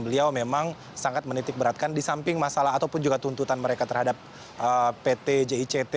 beliau memang sangat menitik beratkan di samping masalah ataupun juga tuntutan mereka terhadap pt jict